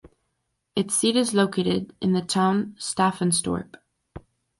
Its seat is located in the town Staffanstorp.